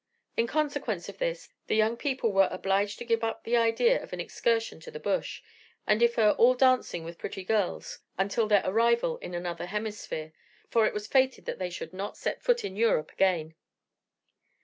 In consequence of this, the young people were obliged to give up the idea of an excursion to the Bush, and defer all dancing with pretty girls until their arrival in another hemisphere, for it was fated that they should not set foot in Europe again.